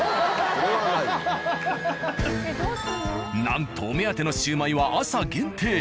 なんとお目当てのシュウマイは朝限定。